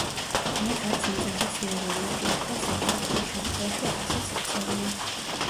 მათ არც მიწაზე სიარული უჭირთ და საჭიროების შემთხვევაში ასეც იქცევიან.